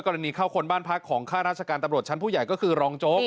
กรณีเข้าคนบ้านพักของข้าราชการตำรวจชั้นผู้ใหญ่ก็คือรองโจ๊ก